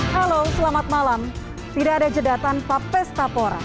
halo selamat malam tidak ada jeda tanpa pestapora